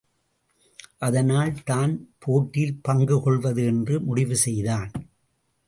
அதனால் தான் போட்டியில் பங்கு கொள்வது என்று முடிவு செய்தான்.